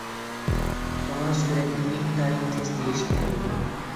شۇڭا سۈرئەتنى ئىنتايىن تېز دېيىشكە بولىدۇ.